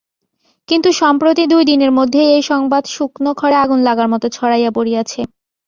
কিন্তু সম্প্রতি দুই দিনের মধ্যেই এই সংবাদ শুকনো খড়ে আগুন লাগার মতো ছড়াইয়া পড়িয়াছে।